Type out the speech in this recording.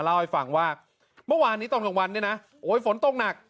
เล่าให้ฟังว่าเมื่อวานนี้ตอนกลางวันเนี่ยนะโอ้ยฝนตกหนัก